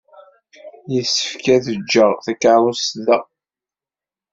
Yessefk ad jjeɣ takeṛṛust da.